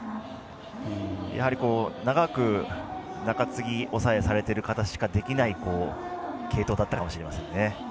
やはり、長く中継ぎ抑えをされてる方しかできない継投だったかもしれませんね。